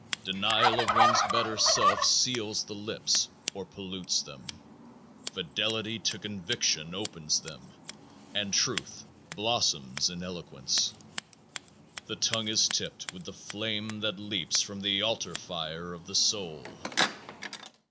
Denial of one's better self seals the lips or pollutes them. Fidelity to conviction opens them and truth blossoms in eloquence. The tongue is tipped with the flame that leaps from the altar fire of the soul.